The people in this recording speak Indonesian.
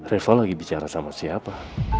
rival lagi bicara sama siapa